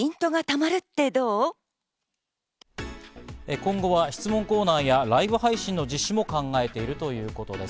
今後は質問コーナーやライブ配信の実施も考えているということです。